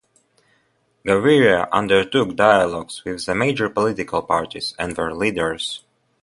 Gaviria undertook dialogues with the major political parties and their leaders.